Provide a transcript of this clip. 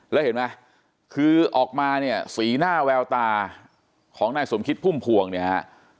แล้วเห็นไหมคือออกมาเนี่ยสีหน้าแววตาของนายสมคิดพุ่มพวงเนี่ยฮะ